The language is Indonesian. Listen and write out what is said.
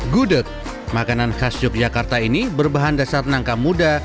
gudeg makanan khas yogyakarta ini berbahan dasar nangka muda